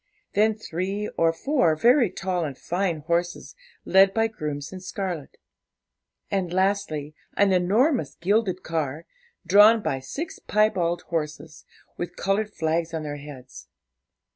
Then, three or four very tall and fine horses, led by grooms in scarlet. And lastly, an enormous gilded car, drawn by six piebald horses, with coloured flags on their heads.